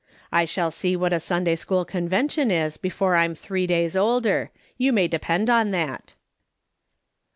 I shall see what a Sunday school Convention is before I'm three days older ; you may depend on that.'